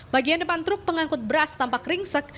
bagian depan truk pengangkut beras tampak ringsek